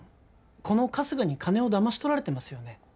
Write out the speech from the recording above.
この春日に金をだまし取られてますよね？